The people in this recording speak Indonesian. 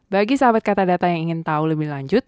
bagi sahabat katadata yang ingin tahu lebih lanjut